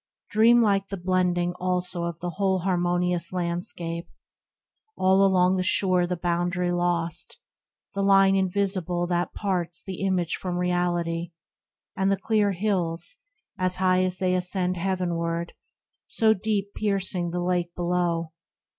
Dreamlike the blending also of the whole Harmonious landscape : all along the shore The boundary lost — the line invisible That parts the image from reality ; And the clear hills, as high as they ascend Heavenward, so deep piercing the lake below.